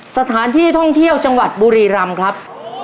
สถานที่ท่องเที่ยวจังหวัดบุรีรำครับ